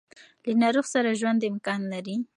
له ناروغ سره ژوند امکان لري.